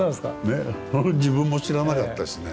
自分も知らなかったですね。